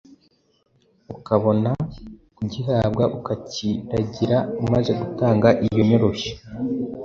ukabona kugihabwa ukakiragira umaze gutanga iyo nyoroshyo.